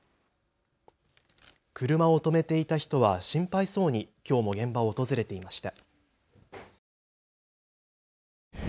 車を止めていた人は心配そうにきょうも現場を訪れていました。